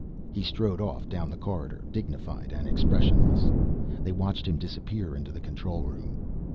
He strode off down the corridor, dignified and expressionless. They watched him disappear into the control room.